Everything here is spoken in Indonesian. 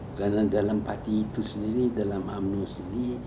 karena dalam partai itu sendiri dalam umno sendiri